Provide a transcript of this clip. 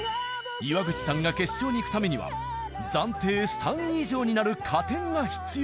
岩口さんが決勝に行くためには暫定３位以上になる加点が必要。